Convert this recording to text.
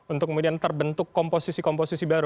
untuk kemudian terbentuk komposisi komposisi baru